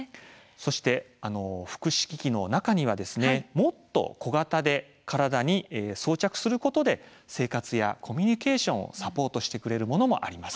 そして福祉機器の中にはもっと小型で体に装着することで生活やコミュニケーションをサポートしてくれるものもあります。